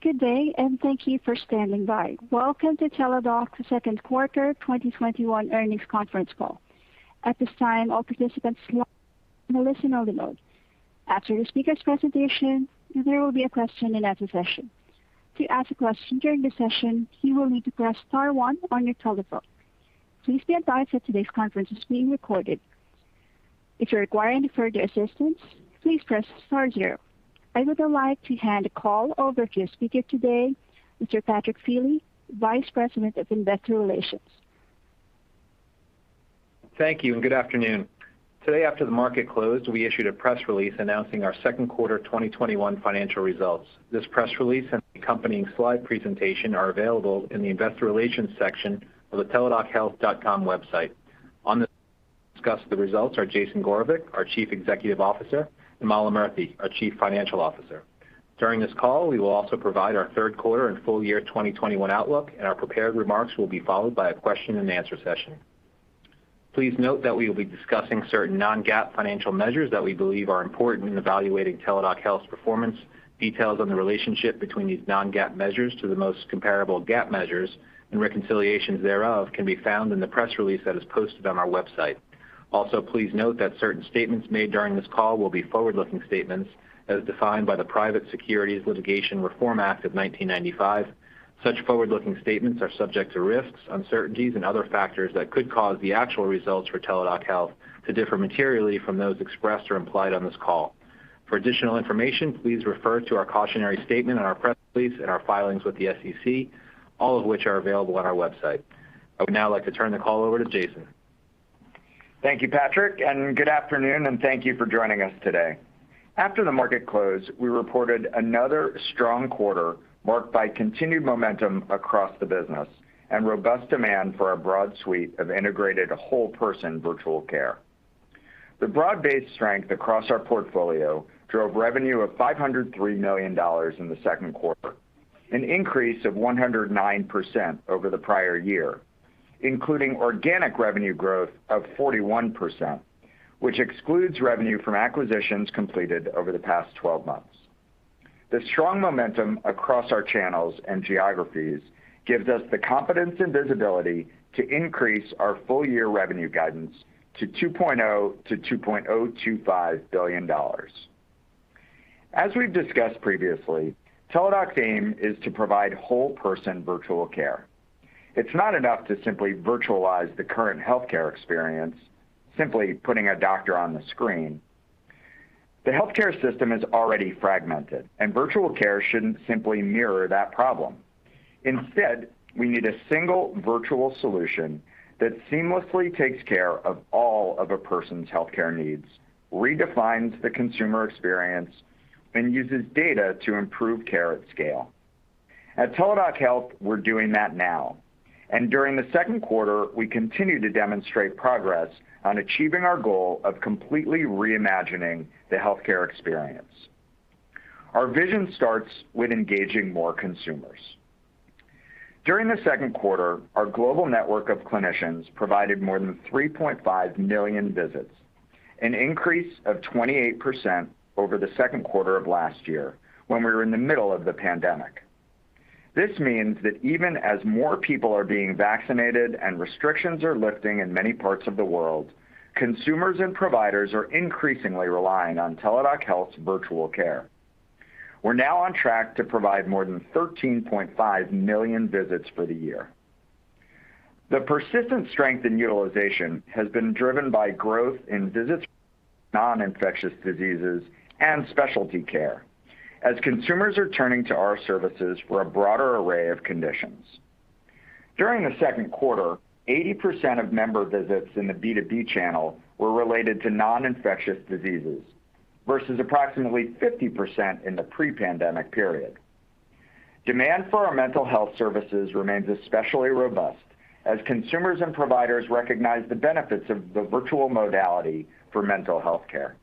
Good day, and thank you for standing by. Welcome to Teladoc Q2 2021 earnings conference call. At this time, all participants will listen only mode. After the speaker's presentation, there will be a question and answer session. To ask a question during the session, you will need to press star one on your telephone. Please be advised that today's conference is being recorded. If you require any further assistance, please press star zero. I would like to hand the call over to your speaker today, Mr. Patrick Feeley, Vice President of Investor Relations. Thank you. Good afternoon. Today, after the market closed, we issued a press release announcing our Q2 2021 financial results. This press release and accompanying slide presentation are available in the investor relations section of the teladochealth.com website. On this, discuss the results are Jason Gorevic, our Chief Executive Officer, and Mala Murthy, our Chief Financial Officer. During this call, we will also provide our Q3 and full year 2021 outlook, and our prepared remarks will be followed by a question and answer session. Please note that we will be discussing certain non-GAAP financial measures that we believe are important in evaluating Teladoc Health's performance. Details on the relationship between these non-GAAP measures to the most comparable GAAP measures and reconciliations thereof can be found in the press release that is posted on our website. Also, please note that certain statements made during this call will be forward-looking statements as defined by the Private Securities Litigation Reform Act of 1995. Such forward-looking statements are subject to risks, uncertainties, and other factors that could cause the actual results for Teladoc Health to differ materially from those expressed or implied on this call. For additional information, please refer to our cautionary statement in our press release and our filings with the SEC, all of which are available on our website. I would now like to turn the call over to Jason. Thank you, Patrick. Good afternoon, and thank you for joining us today. After the market closed, we reported another strong quarter marked by continued momentum across the business and robust demand for our broad suite of integrated whole-person virtual care. The broad-based strength across our portfolio drove revenue of $503 million in the Q2, an increase of 109% over the prior year, including organic revenue growth of 41%, which excludes revenue from acquisitions completed over the past 12 months. The strong momentum across our channels and geographies gives us the confidence and visibility to increase our full year revenue guidance to $2.0 billion-$2.025 billion. As we've discussed previously, Teladoc's aim is to provide whole-person virtual care. It's not enough to simply virtualize the current healthcare experience, simply putting a doctor on the screen. The healthcare system is already fragmented. Virtual care shouldn't simply mirror that problem. Instead, we need a single virtual solution that seamlessly takes care of all of a person's healthcare needs, redefines the consumer experience, and uses data to improve care at scale. At Teladoc Health, we're doing that now, and during the Q2, we continue to demonstrate progress on achieving our goal of completely reimagining the healthcare experience. Our vision starts with engaging more consumers. During the Q2, our global network of clinicians provided more than 3.5 million visits, an increase of 28% over the Q2 of last year when we were in the middle of the pandemic. This means that even as more people are being vaccinated and restrictions are lifting in many parts of the world, consumers and providers are increasingly relying on Teladoc Health's virtual care. We're now on track to provide more than 13.5 million visits for the year. The persistent strength in utilization has been driven by growth in visits, non-infectious diseases, and specialty care as consumers are turning to our services for a broader array of conditions. During the Q2, 80% of member visits in the B2B channel were related to non-infectious diseases versus approximately 50% in the pre-pandemic period. Demand for our mental health services remains especially robust as consumers and providers recognize the benefits of the virtual modality for mental health care.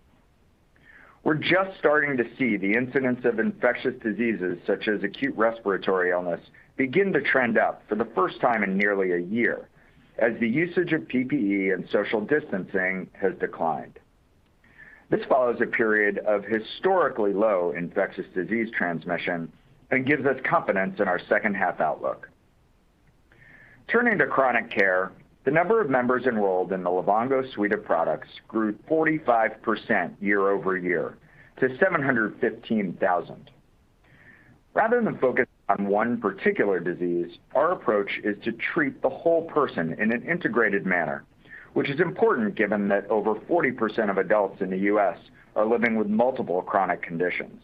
We're just starting to see the incidence of infectious diseases, such as acute respiratory illness, begin to trend up for the first time in nearly a year as the usage of PPE and social distancing has declined. This follows a period of historically low infectious disease transmission and gives us confidence in our H2 outlook. Turning to chronic care, the number of members enrolled in the Livongo suite of products grew 45% year-over-year to 715,000. Rather than focus on one particular disease, our approach is to treat the whole person in an integrated manner, which is important given that over 40% of adults in the U.S. are living with multiple chronic conditions.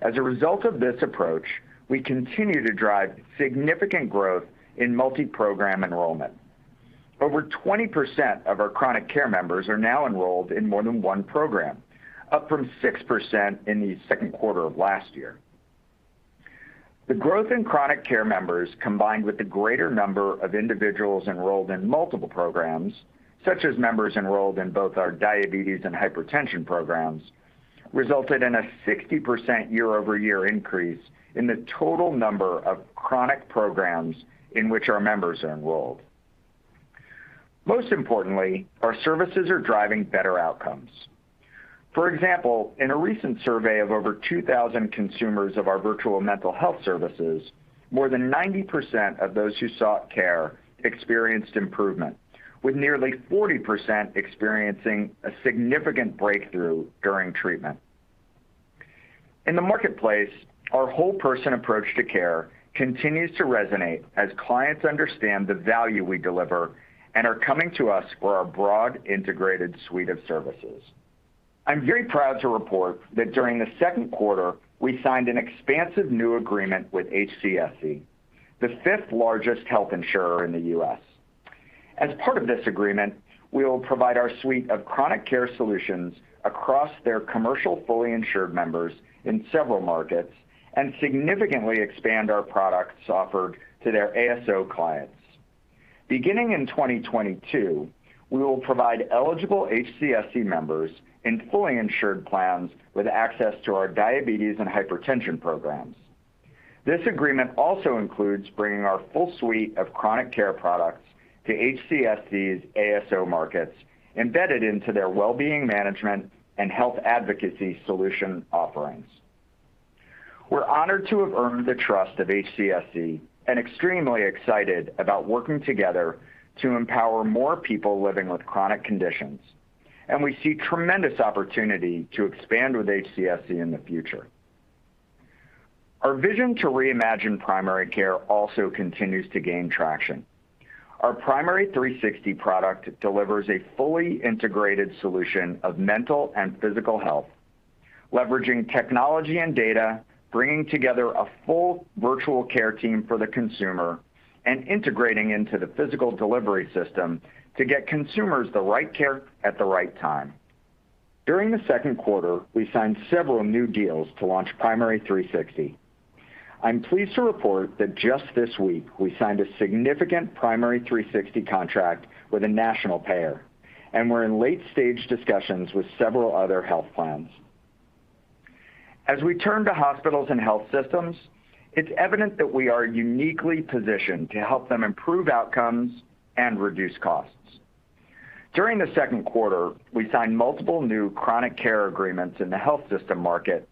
As a result of this approach, we continue to drive significant growth in multi-program enrollment. Over 20% of our chronic care members are now enrolled in more than one program, up from 6% in the Q2 of last year. The growth in chronic care members, combined with the greater number of individuals enrolled in multiple programs, such as members enrolled in both our diabetes and hypertension programs, resulted in a 60% year-over-year increase in the total number of chronic programs in which our members are enrolled. Most importantly, our services are driving better outcomes. For example, in a recent survey of over 2,000 consumers of our virtual mental health services, more than 90% of those who sought care experienced improvement, with nearly 40% experiencing a significant breakthrough during treatment. In the marketplace, our whole-person approach to care continues to resonate as clients understand the value we deliver and are coming to us for our broad, integrated suite of services. I'm very proud to report that during the Q2, we signed an expansive new agreement with HCSC, the fifth largest health insurer in the U.S. As part of this agreement, we will provide our suite of chronic care solutions across their commercial fully insured members in several markets and significantly expand our products offered to their ASO clients. Beginning in 2022, we will provide eligible HCSC members in fully insured plans with access to our diabetes and hypertension programs. This agreement also includes bringing our full suite of chronic care products to HCSC's ASO markets embedded into their well-being management and health advocacy solution offerings. We're honored to have earned the trust of HCSC and extremely excited about working together to empower more people living with chronic conditions, and we see tremendous opportunity to expand with HCSC in the future. Our vision to reimagine primary care also continues to gain traction. Our Primary360 product delivers a fully integrated solution of mental and physical health, leveraging technology and data, bringing together a full virtual care team for the consumer, and integrating into the physical delivery system to get consumers the right care at the right time. During the Q2, we signed several new deals to launch Primary360. I'm pleased to report that just this week, we signed a significant Primary360 contract with a national payer, and we're in late stage discussions with several other health plans. As we turn to hospitals and health systems, it's evident that we are uniquely positioned to help them improve outcomes and reduce costs. During the Q2, we signed multiple new chronic care agreements in the health system market,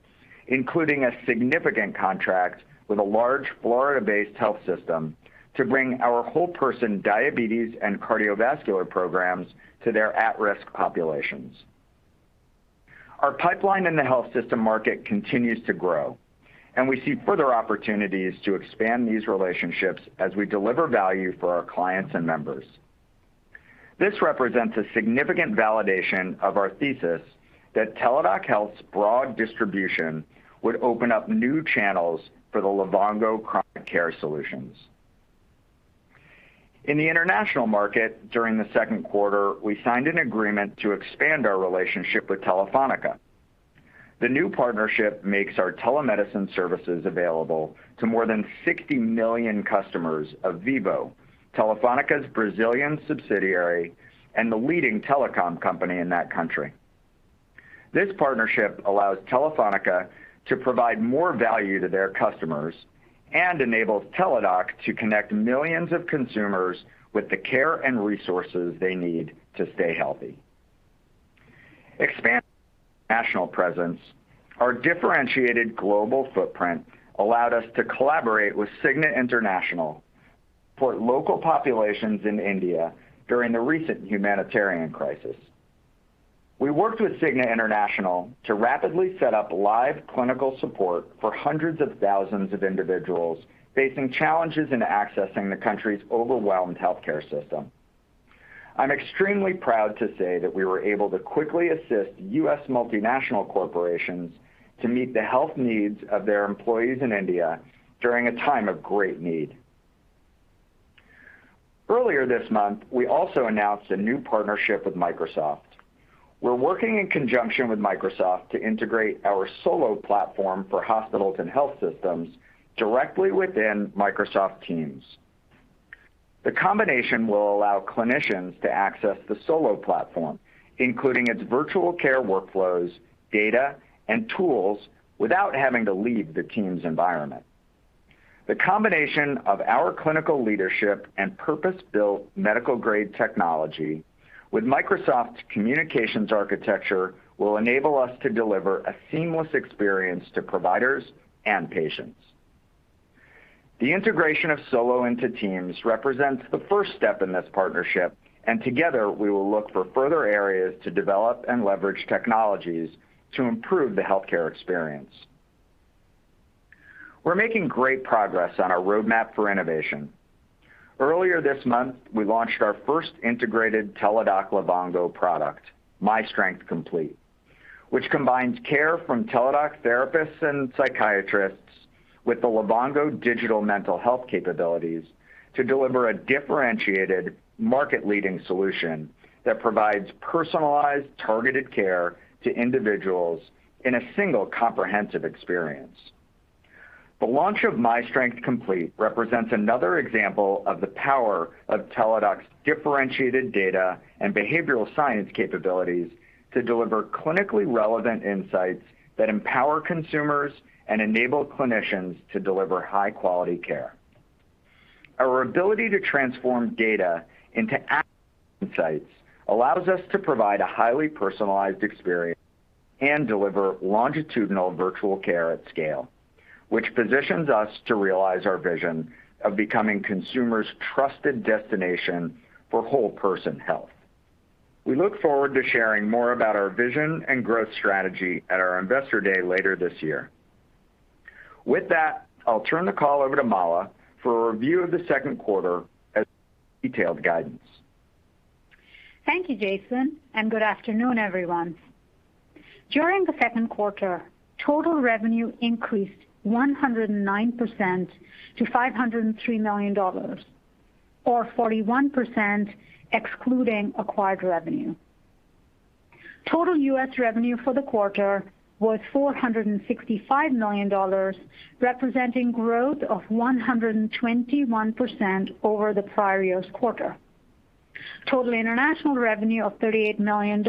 including a significant contract with a large Florida-based health system to bring our whole-person diabetes and cardiovascular programs to their at-risk populations. Our pipeline in the health system market continues to grow, and we see further opportunities to expand these relationships as we deliver value for our clients and members. This represents a significant validation of our thesis that Teladoc Health's broad distribution would open up new channels for the Livongo chronic care solutions. In the international market during the Q2, we signed an agreement to expand our relationship with Telefónica. The new partnership makes our telemedicine services available to more than 60 million customers of Vivo, Telefónica's Brazilian subsidiary and the leading telecom company in that country. This partnership allows Telefónica to provide more value to their customers and enables Teladoc to connect millions of consumers with the care and resources they need to stay healthy. Expand national presence. Our differentiated global footprint allowed us to collaborate with Cigna International for local populations in India during the recent humanitarian crisis. We worked with Cigna International to rapidly set up live clinical support for hundreds of thousands of individuals facing challenges in accessing the country's overwhelmed healthcare system. I'm extremely proud to say that we were able to quickly assist U.S. multinational corporations to meet the health needs of their employees in India during a time of great need. Earlier this month, we also announced a new partnership with Microsoft. We're working in conjunction with Microsoft to integrate our Solo platform for hospitals and health systems directly within Microsoft Teams. The combination will allow clinicians to access the Solo platform, including its virtual care workflows, data, and tools without having to leave the Teams environment. The combination of our clinical leadership and purpose-built medical-grade technology with Microsoft's communications architecture will enable us to deliver a seamless experience to providers and patients. The integration of Solo into Teams represents the first step in this partnership. Together we will look for further areas to develop and leverage technologies to improve the healthcare experience. We're making great progress on our roadmap for innovation. Earlier this month, we launched our first integrated Teladoc Livongo product, myStrength Complete, which combines care from Teladoc therapists and psychiatrists with the Livongo digital mental health capabilities to deliver a differentiated market-leading solution that provides personalized, targeted care to individuals in a single comprehensive experience. The launch of myStrength Complete represents another example of the power of Teladoc's differentiated data and behavioral science capabilities to deliver clinically relevant insights that empower consumers and enable clinicians to deliver high-quality care. Our ability to transform data into action insights allows us to provide a highly personalized experience and deliver longitudinal virtual care at scale, which positions us to realize our vision of becoming consumers' trusted destination for whole person health. We look forward to sharing more about our vision and growth strategy at our investor day later this year. With that, I'll turn the call over to Mala for a review of the Q2 as detailed guidance. Thank you, Jason, and good afternoon, everyone. During the Q2, total revenue increased 109% to $503 million, or 41% excluding acquired revenue. Total U.S. revenue for the quarter was $465 million, representing growth of 121% over the prior year's quarter. Total international revenue of $38 million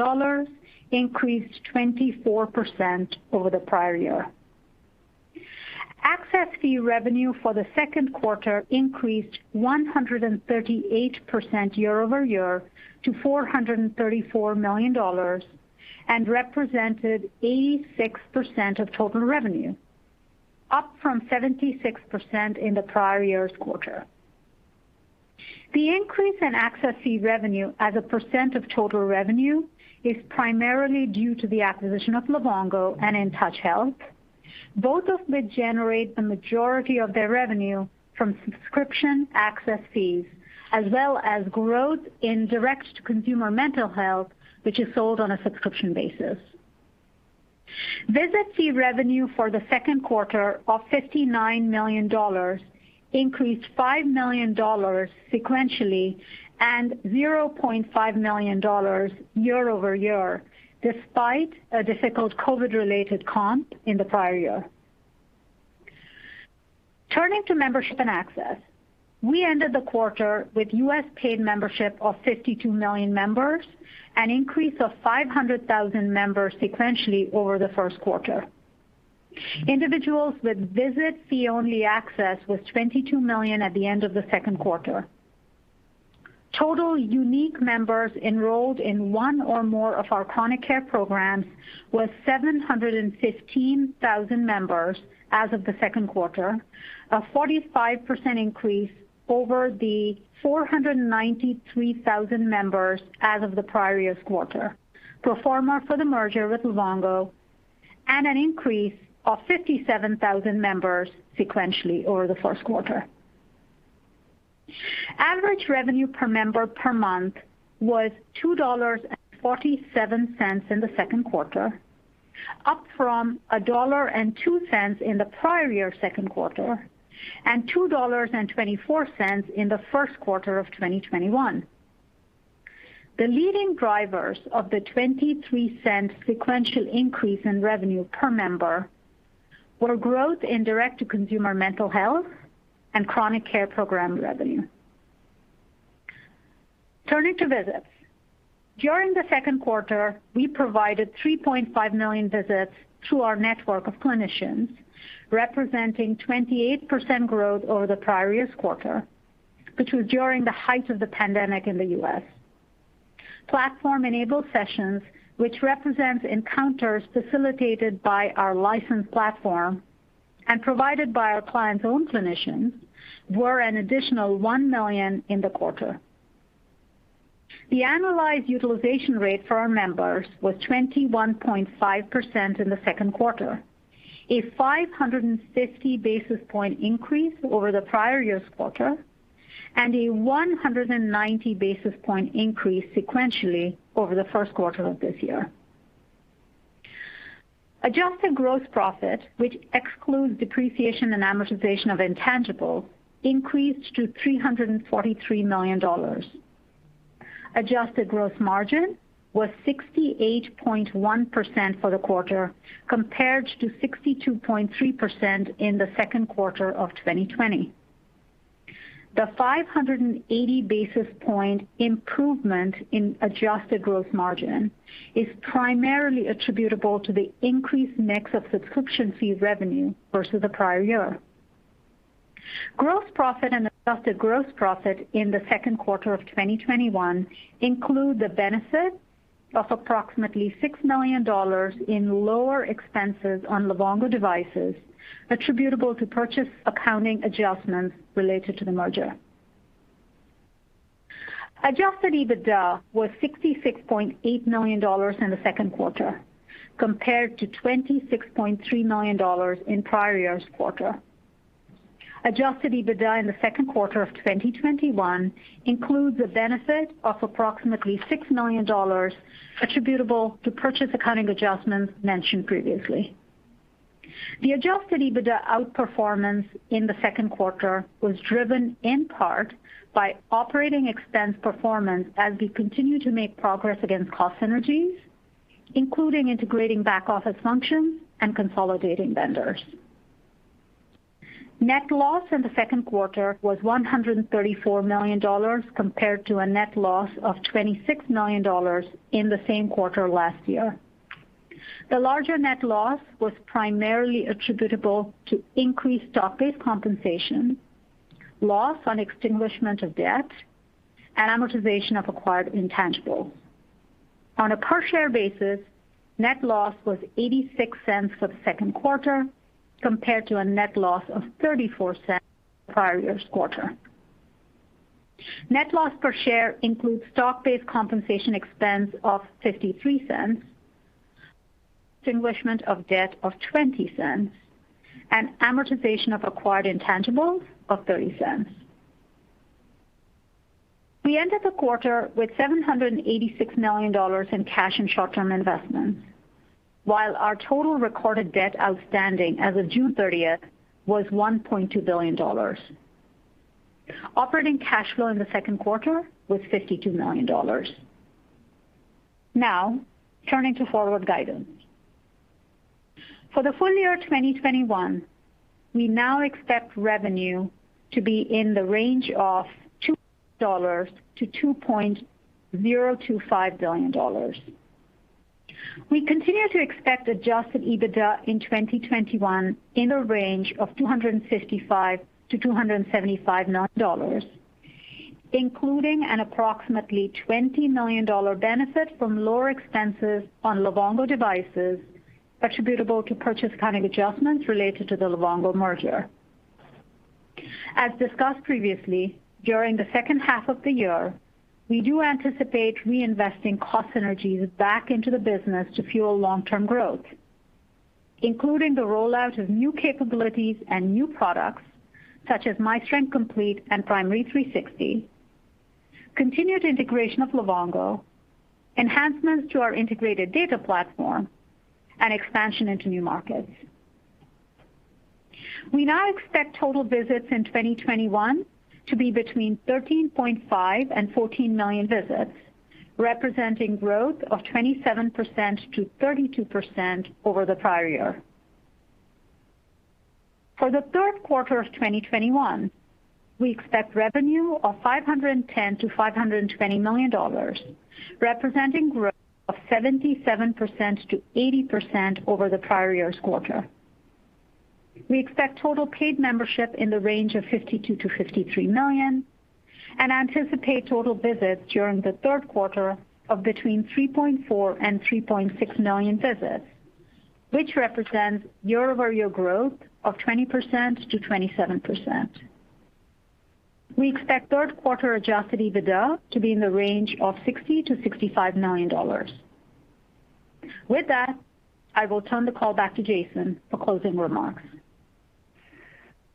increased 24% over the prior year. Access fee revenue for the Q2 increased 138% year-over-year to $434 million and represented 86% of total revenue, up from 76% in the prior year's quarter. The increase in access fee revenue as a percentage of total revenue is primarily due to the acquisition of Livongo and InTouch Health. Both of which generate the majority of their revenue from subscription access fees, as well as growth in direct-to-consumer mental health, which is sold on a subscription basis. Visit fee revenue for the Q2 of $59 million increased $5 million sequentially and $0.5 million year-over-year, despite a difficult COVID-related comp in the prior year. Turning to membership and access. We ended the quarter with U.S. paid membership of 52 million members, an increase of 500,000 members sequentially over the Q1 Individuals with visit fee only access was 22 million at the end of the Q2. Total unique members enrolled in 1 or more of our chronic care programs was 715,000 members as of the Q2, a 45% increase over the 493,000 members as of the prior year's quarter. Pro forma for the merger with Livongo, and an increase of 57,000 members sequentially over the Q1. Average revenue per member per month was $2.47 in the Q2, up from $1.02 in the prior-year Q2, and $2.24 in the Q1 of 2021. The leading drivers of the $0.23 sequential increase in revenue per member were growth in direct-to-consumer mental health and chronic care program revenue. Turning to visits. During the Q2, we provided 3.5 million visits through our network of clinicians, representing 28% growth over the prior-year's quarter, which was during the height of the pandemic in the U.S. Platform-enabled sessions, which represents encounters facilitated by our licensed platform and provided by our client's own clinicians, were an additional one million in the quarter. The annualized utilization rate for our members was 21.5% in the Q2, a 550 basis point increase over the prior year's quarter, and a 190 basis point increase sequentially over the Q1 of this year. Adjusted gross profit, which excludes depreciation and amortization of intangibles, increased to $343 million. Adjusted gross margin was 68.1% for the quarter, compared to 62.3% in the Q2 of 2020. The 580 basis point improvement in adjusted gross margin is primarily attributable to the increased mix of subscription fee revenue versus the prior year. Gross profit and adjusted gross profit in the Q2 of 2021 include the benefit of approximately $6 million in lower expenses on Livongo devices attributable to purchase accounting adjustments related to the merger. Adjusted EBITDA was $66.8 million in the Q2, compared to $26.3 million in prior year's quarter. Adjusted EBITDA in the Q2 of 2021 includes a benefit of approximately $6 million attributable to purchase accounting adjustments mentioned previously. The adjusted EBITDA outperformance in the Q2 was driven in part by operating expense performance as we continue to make progress against cost synergies, including integrating back office functions and consolidating vendors. Net loss in the Q2 was $134 million, compared to a net loss of $26 million in the same quarter last year. The larger net loss was primarily attributable to increased stock-based compensation, loss on extinguishment of debt, and amortization of acquired intangibles. On a per share basis, net loss was $0.86 for the Q2 compared to a net loss of $0.34 prior year's quarter. Net loss per share includes stock-based compensation expense of $0.53, extinguishment of debt of $0.20, and amortization of acquired intangibles of $0.30. We ended the quarter with $786 million in cash and short-term investments. While our total recorded debt outstanding as of June 30th was $1.2 billion. Operating cash flow in the Q2 was $52 million. Now, turning to forward guidance. For the full year 2021, we now expect revenue to be in the range of $2 billion-$2.025 billion. We continue to expect adjusted EBITDA in 2021 in the range of $255 million-$275 million, including an approximately $20 million benefit from lower expenses on Livongo devices attributable to purchase accounting adjustments related to the Livongo merger. As discussed previously, during the H2 of the year, we do anticipate reinvesting cost synergies back into the business to fuel long-term growth, including the rollout of new capabilities and new products, such as myStrength Complete and Primary360, continued integration of Livongo, enhancements to our integrated data platform, and expansion into new markets. We now expect total visits in 2021 to be between 13.5 and 14 million visits, representing growth of 27%-32% over the prior year. For the Q3 of 2021, we expect revenue of $510 million-$520 million, representing growth of 77%-80% over the prior year's quarter. We expect total paid membership in the range of 52 million-53 million, and anticipate total visits during the Q3 of between 3.4 and 3.6 million visits, which represents year-over-year growth of 20%-27%. We expect Q3 adjusted EBITDA to be in the range of $60 million-$65 million. With that, I will turn the call back to Jason for closing remarks.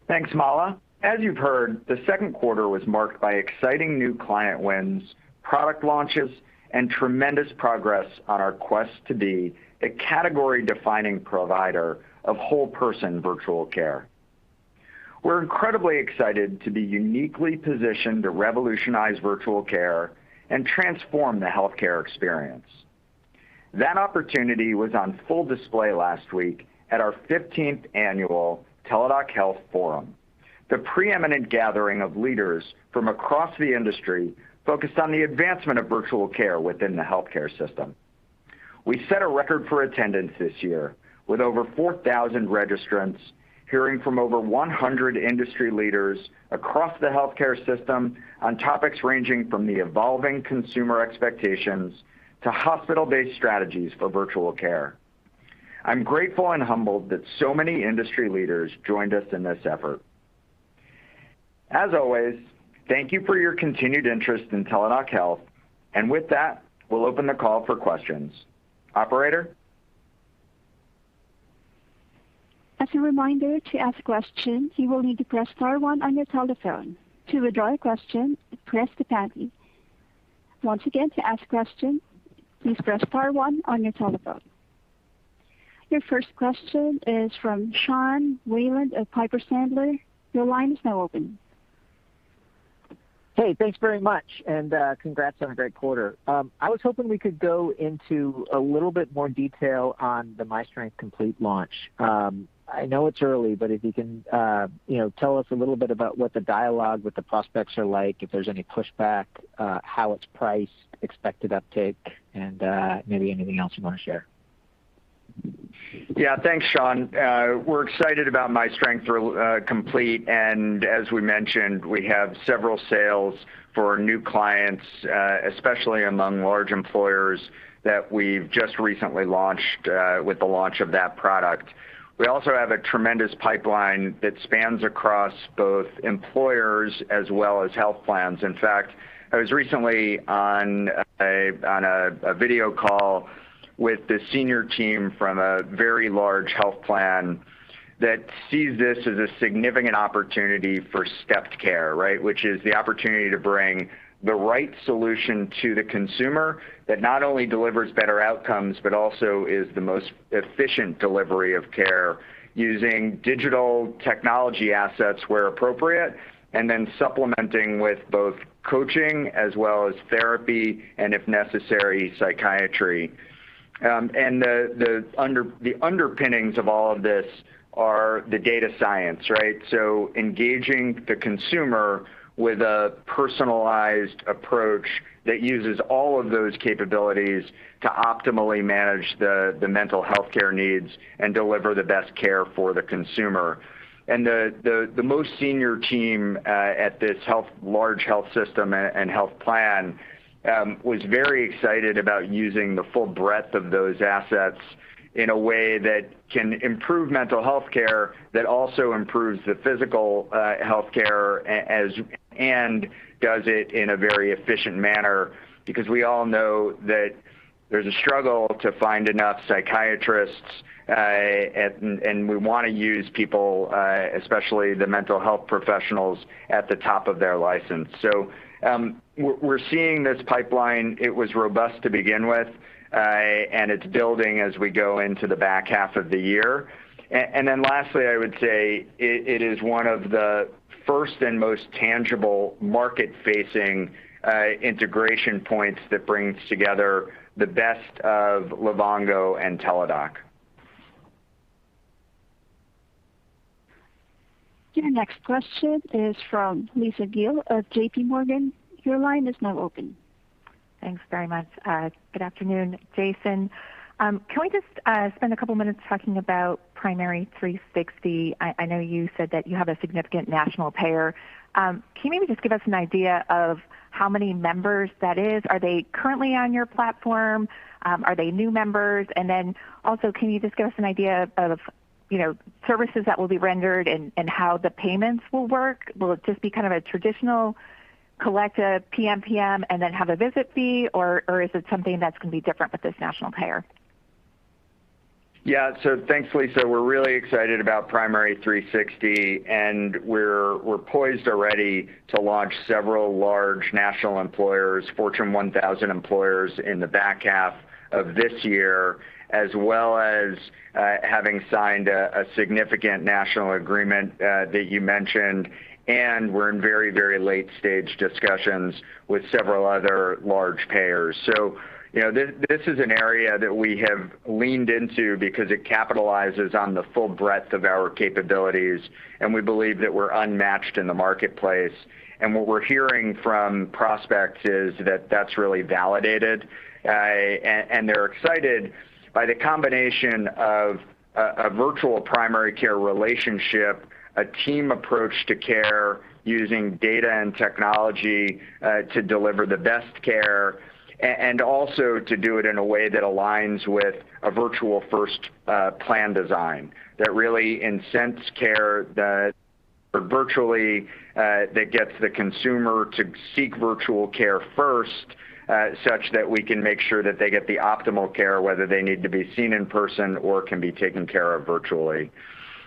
Thanks, Mala. As you've heard, the Q2 was marked by exciting new client wins, product launches, and tremendous progress on our quest to be a category-defining provider of whole person virtual care. We're incredibly excited to be uniquely positioned to revolutionize virtual care and transform the healthcare experience. That opportunity was on full display last week at our 15th annual Teladoc Health Forum, the preeminent gathering of leaders from across the industry focused on the advancement of virtual care within the healthcare system. We set a record for attendance this year, with over 4,000 registrants hearing from over 100 industry leaders across the healthcare system on topics ranging from the evolving consumer expectations to hospital-based strategies for virtual care. I'm grateful and humbled that so many industry leaders joined us in this effort. As always, thank you for your continued interest in Teladoc Health, and with that, we'll open the call for questions. Operator? As a reminder to ask questions you will need to press star one on your telephone. To withdraw your question press the star key. Once again to ask question press star one on your telephone. Your first question is from Sean Wieland of Piper Sandler. Your line is now open. Hey, thanks very much, and congrats on a great quarter. I was hoping we could go into a little bit more detail on the myStrength Complete launch. I know it's early, but if you can tell us a little bit about what the dialogue with the prospects are like, if there's any pushback, how it's priced, expected uptake, and maybe anything else you want to share. Yeah. Thanks, Sean. We're excited about myStrength Complete, and as we mentioned, we have several sales for new clients, especially among large employers that we've just recently launched with the launch of that product. We also have a tremendous pipeline that spans across both employers as well as health plans. In fact, I was recently on a video call with the senior team from a very large health plan that sees this as a significant opportunity for stepped care, which is the opportunity to bring the right solution to the consumer that not only delivers better outcomes, but also is the most efficient delivery of care using digital technology assets where appropriate, and then supplementing with both coaching as well as therapy, and if necessary, psychiatry. The underpinnings of all of this are the data science. Engaging the consumer with a personalized approach that uses all of those capabilities to optimally manage the mental healthcare needs and deliver the best care for the consumer. The most senior team at this large health system and health plan was very excited about using the full breadth of those assets in a way that can improve mental healthcare, that also improves the physical healthcare, and does it in a very efficient manner, because we all know that there's a struggle to find enough psychiatrists, and we want to use people, especially the mental health professionals at the top of their license. We're seeing this pipeline. It was robust to begin with, and it's building as we go into the back half of the year. Lastly, I would say it is one of the first and most tangible market-facing integration points that brings together the best of Livongo and Teladoc. Your next question is from Lisa Gill of JPMorgan. Your line is now open. Thanks very much. Good afternoon, Jason. Can we just spend a couple of minutes talking about Primary360? I know you said that you have a significant national payer. Can you maybe just give us an idea of how many members that is? Are they currently on your platform? Are they new members? Then also, can you just give us an idea of services that will be rendered and how the payments will work? Will it just be kind of a traditional collect a PMPM and then have a visit fee, or is it something that's going to be different with this national payer? Yeah. Thanks, Lisa. We're really excited about Primary360, and we're poised already to launch several large national employers, Fortune 1000 employers in the back half of this year, as well as, having signed a significant national agreement that you mentioned, and we're in very late-stage discussions with several other large payers. This is an area that we have leaned into because it capitalizes on the full breadth of our capabilities, and we believe that we're unmatched in the marketplace. What we're hearing from prospects is that that's really validated. They're excited by the combination of a virtual primary care relationship, a team approach to care using data and technology, to deliver the best care, also to do it in a way that aligns with a virtual first plan design that really incents care that gets the consumer to seek virtual care first, such that we can make sure that they get the optimal care, whether they need to be seen in person or can be taken care of virtually.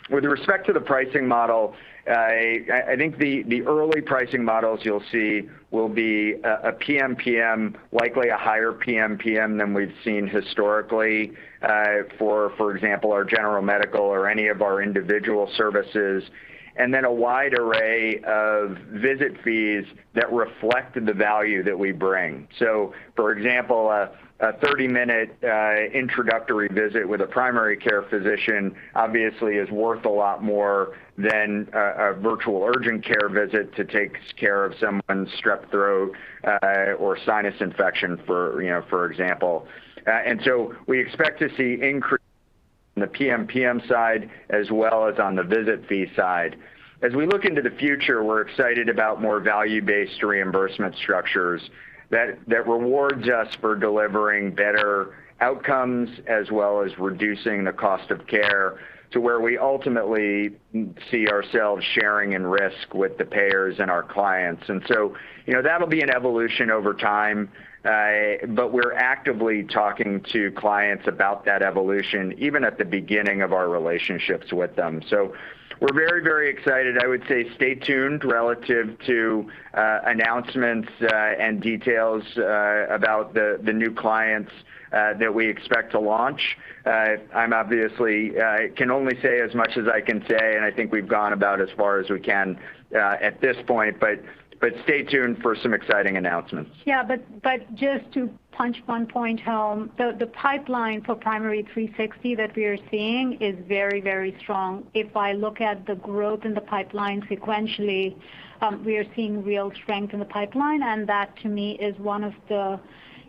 With respect to the pricing model, I think the early pricing models you'll see will be a PMPM, likely a higher PMPM than we've seen historically, for example, our general medical or any of our individual services, then a wide array of visit fees that reflect the value that we bring. For example, a 30-minute introductory visit with a primary care physician obviously is worth a lot more than a virtual urgent care visit to take care of someone's strep throat or sinus infection, for example. We expect to see increase in the PMPM side as well as on the visit fee side. As we look into the future, we're excited about more value-based reimbursement structures that rewards us for delivering better outcomes as well as reducing the cost of care to where we ultimately see ourselves sharing in risk with the payers and our clients. That'll be an evolution over time, but we're actively talking to clients about that evolution, even at the beginning of our relationships with them. We're very excited. I would say stay tuned relative to announcements and details about the new clients that we expect to launch. I obviously can only say as much as I can say, and I think we've gone about as far as we can at this point. Stay tuned for some exciting announcements. Yeah, just to punch one point home, the pipeline for Primary360 that we are seeing is very strong. If I look at the growth in the pipeline sequentially, we are seeing real strength in the pipeline, that to me is one of the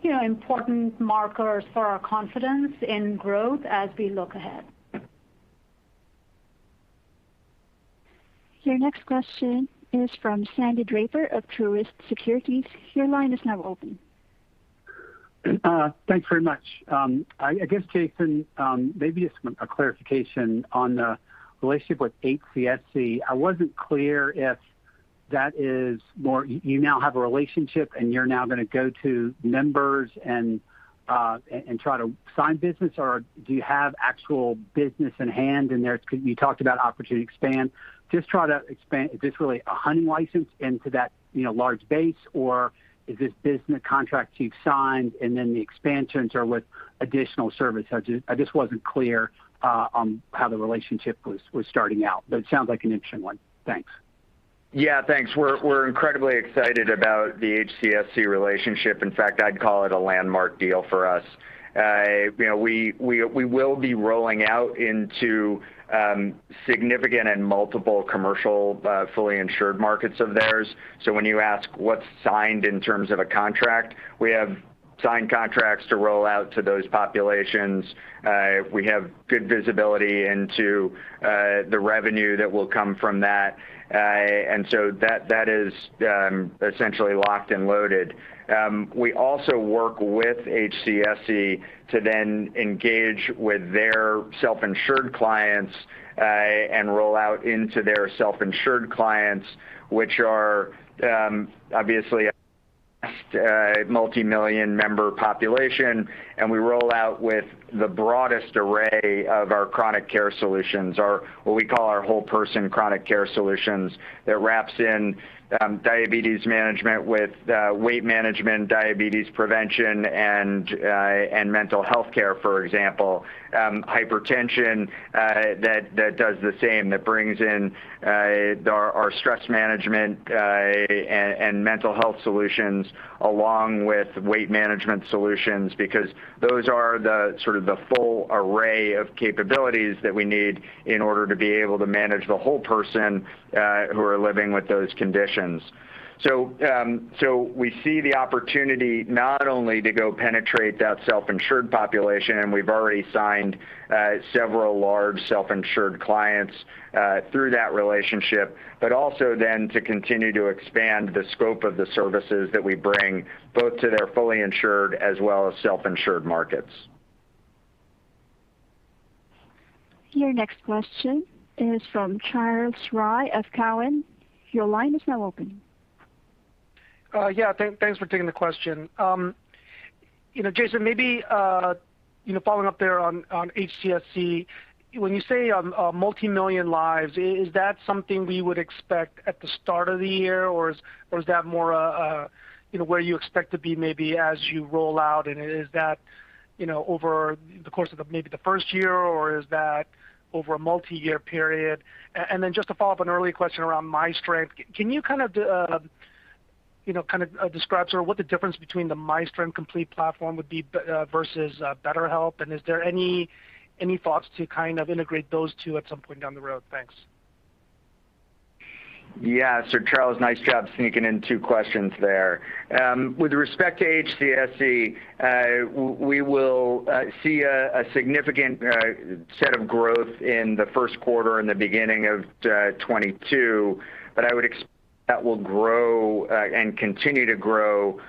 important markers for our confidence in growth as we look ahead. Your next question is from Sandy Draper of Truist Securities. Your line is now open. Thanks very much. I guess, Jason, maybe just a clarification on the relationship with HCSC. I wasn't clear if you now have a relationship, and you're now going to go to members and try to sign business, or do you have actual business in hand in there? You talked about opportunity to expand. Just try to expand, is this really a hunting license into that large base, or is this business contracts you've signed, and then the expansions are with additional services? I just wasn't clear on how the relationship was starting out, but it sounds like an interesting one. Thanks. Yeah, thanks. We're incredibly excited about the HCSC relationship. In fact, I'd call it a landmark deal for us. We will be rolling out into significant and multiple commercial, fully insured markets of theirs. When you ask what's signed in terms of a contract, we have signed contracts to roll out to those populations. We have good visibility into the revenue that will come from that. That is essentially locked and loaded. We also work with HCSC to then engage with their self-insured clients, and roll out into their self-insured clients, which are obviously a multi-million member population, and we roll out with the broadest array of our chronic care solutions, or what we call our whole person chronic care solutions. That wraps in diabetes management with weight management, diabetes prevention, and mental health care, for example, hypertension, that does the same, that brings in our stress management, and mental health solutions along with weight management solutions, because those are the sort of the full array of capabilities that we need in order to be able to manage the whole person who are living with those conditions. We see the opportunity not only to go penetrate that self-insured population, and we've already signed several large self-insured clients through that relationship, but also then to continue to expand the scope of the services that we bring both to their fully insured as well as self-insured markets. Your next question is from Charles Rhyee of Cowen. Your line is now open. Yeah, thanks for taking the question. Jason, maybe following up there on HCSC, when you say multi-million lives, is that something we would expect at the start of the year, or is that more where you expect to be maybe as you roll out, and is that over the course of the first year, or is that over a multi-year period? Just to follow up an earlier question around myStrength, can you describe sort of what the difference between the myStrength Complete platform would be versus BetterHelp, and is there any thoughts to integrate those two at some point down the road? Thanks. Yeah. Charles, nice job sneaking in two questions there. With respect to HCSC, we will see a significant set of growth in the Q1 in the beginning of 2022. I would expect that will grow, and continue to grow,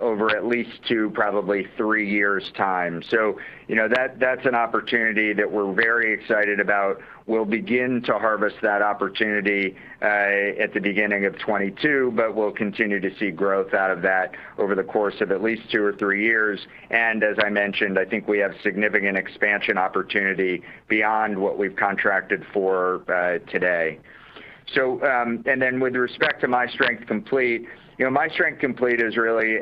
over at least two, probably three years' time. That's an opportunity that we're very excited about. We'll begin to harvest that opportunity at the beginning of 2022, but we'll continue to see growth out of that over the course of at least two or three years. As I mentioned, I think we have significant expansion opportunity beyond what we've contracted for today. With respect to myStrength Complete, myStrength Complete is really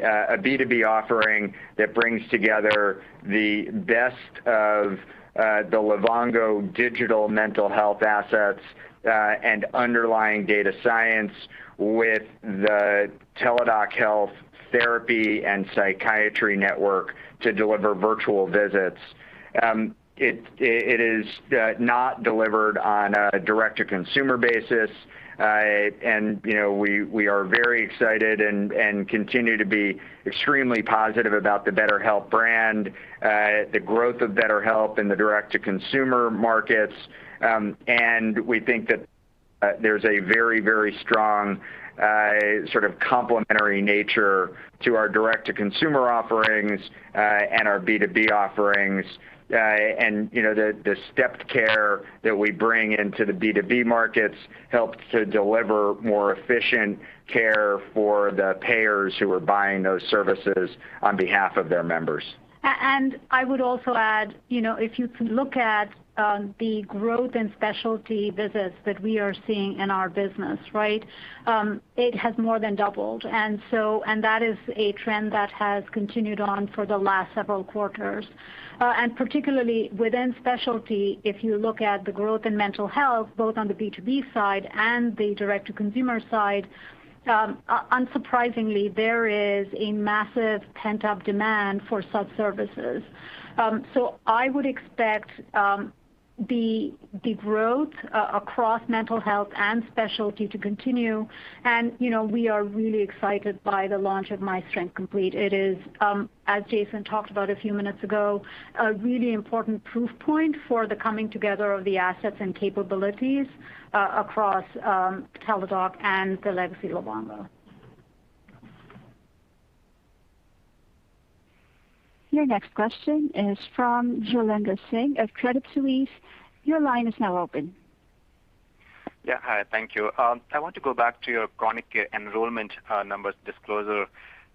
a B2B offering that brings together the best of the Livongo digital mental health assets, and underlying data science with the Teladoc Health therapy and psychiatry network to deliver virtual visits. It is not delivered on a direct-to-consumer basis. We are very excited and continue to be extremely positive about the BetterHelp brand, the growth of BetterHelp in the direct-to-consumer markets. We think that there's a very strong sort of complementary nature to our direct-to-consumer offerings, and our B2B offerings. The stepped care that we bring into the B2B markets helps to deliver more efficient care for the payers who are buying those services on behalf of their members. I would also add, if you look at the growth in specialty visits that we are seeing in our business, it has more than doubled. That is a trend that has continued on for the last several quarters. Particularly within specialty, if you look at the growth in mental health, both on the B2B side and the direct-to-consumer side, unsurprisingly, there is a massive pent-up demand for such services. I would expect the growth across mental health and specialty to continue, and we are really excited by the launch of myStrength Complete. It is, as Jason talked about a few minutes ago, a really important proof point for the coming together of the assets and capabilities across Teladoc Health and the legacy Livongo. Your next question is from Jailendra Singh of Credit Suisse. Your line is now open. Yeah. Hi, thank you. I want to go back to your chronic care enrollment numbers disclosure.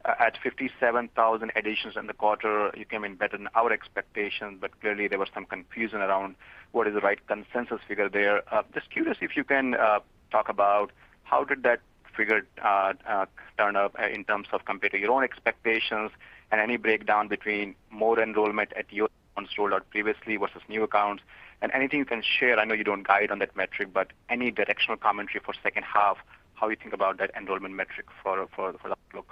At 57,000 additions in the quarter, you came in better than our expectations. Clearly, there was some confusion around what is the right consensus figure there. Just curious if you can talk about how did that figure turn up in terms of comparing your own expectations and any breakdown between more enrollment at previously versus new accounts and anything you can share. I know you don't guide on that metric. Any directional commentary for H2, how you think about that enrollment metric for the outlook.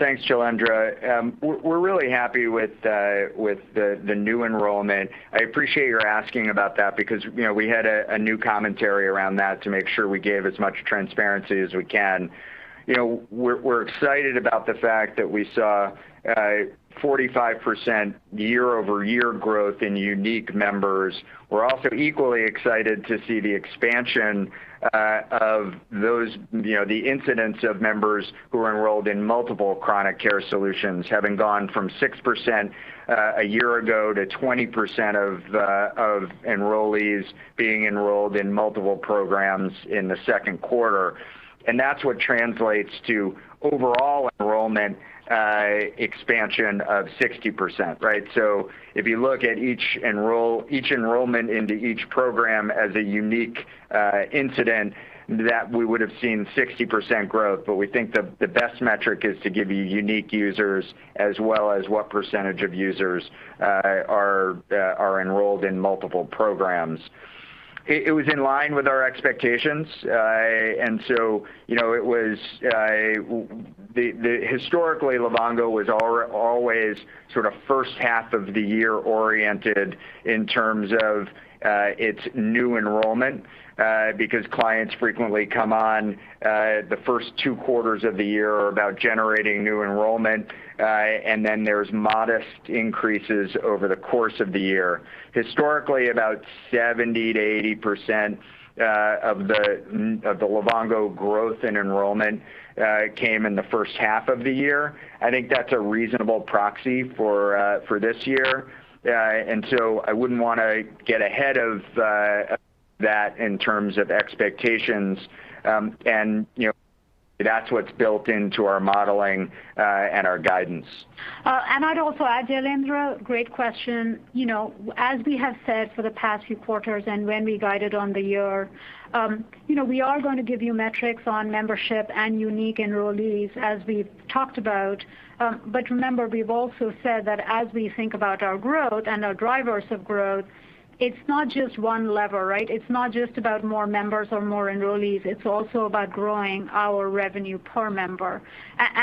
Thanks, Jailendra. We're really happy with the new enrollment. I appreciate your asking about that because we had a new commentary around that to make sure we gave as much transparency as we can. We're excited about the fact that we saw a 45% year-over-year growth in unique members. We're also equally excited to see the expansion of the incidents of members who are enrolled in multiple chronic care solutions, having gone from 6% a year ago to 20% of enrollees being enrolled in multiple programs in the Q2. That's what translates to overall enrollment expansion of 60%, right? If you look at each enrollment into each program as a unique incident, that we would've seen 60% growth. We think the best metric is to give you unique users as well as what percentage of users are enrolled in multiple programs. It was in line with our expectations. Historically, Livongo was always H1 of the year oriented in terms of its new enrollment, because clients frequently come on, the first two quarters of the year are about generating new enrollment, and then there's modest increases over the course of the year. Historically, about 70%-80% of the Livongo growth and enrollment came in the first half of the year. I think that's a reasonable proxy for this year. I wouldn't want to get ahead of that in terms of expectations. That's what's built into our modeling, and our guidance. I'd also add, Jailendra, great question. As we have said for the past few quarters and when we guided on the year, we are going to give you metrics on membership and unique enrollees as we've talked about. Remember, we've also said that as we think about our growth and our drivers of growth, it's not just one lever, right? It's not just about more members or more enrollees, it's also about growing our revenue per member.